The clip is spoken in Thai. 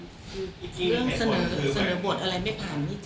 คือเรื่องเสนอบทอะไรไม่ผ่าน